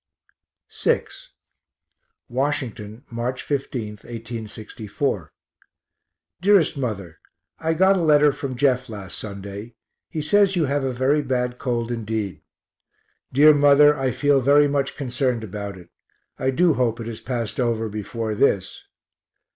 VI Washington, March 15, 1861. DEAREST MOTHER I got a letter from Jeff last Sunday he says you have a very bad cold indeed. Dear Mother, I feel very much concerned about it; I do hope it has passed over before this.